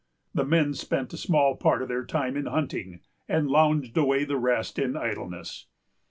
The men spent a small part of their time in hunting, and lounged away the rest in idleness.